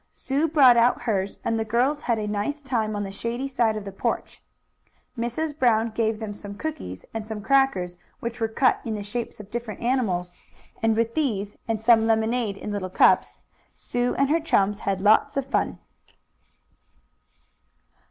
Sue brought out hers, and the girls had a nice time on the shady side of the porch. Mrs. Brown gave them some cookies, and some crackers, which were cut in the shapes of different animals, and with these, and some lemonade in little cups, Sue and her chums had lots of fun.